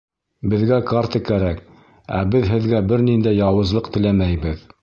Беҙгә карта кәрәк, ә беҙ һеҙгә бер ниндәй яуызлыҡ теләмәйбеҙ...